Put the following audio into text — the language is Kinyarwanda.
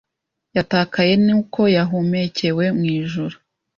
Yatakaye ni uko yahumekewe mu ijuru